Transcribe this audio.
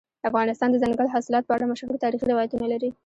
افغانستان د دځنګل حاصلات په اړه مشهور تاریخی روایتونه لري.